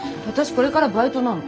これからバイトなの。